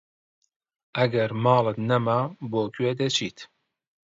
ئەگەر ماڵت نەما بۆ کوێ دەچیت؟